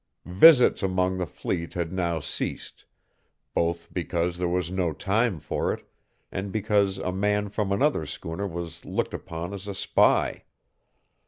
Visits among the fleet had now ceased, both because there was no time for it, and because a man from another schooner was looked upon as a spy.